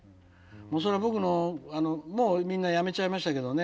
それは僕のもうみんな辞めちゃいましたけどね。